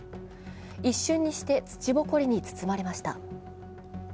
一瞬にして土ぼこりに包まれました。